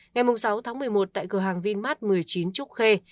ngày sáu tháng một mươi một tại cửa hàng vinmart một mươi chín trúc khê